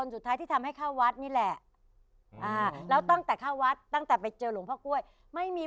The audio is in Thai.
ลูกเอ้ยก็ไปกับเขาอยู่นอนเดียวคนเดียว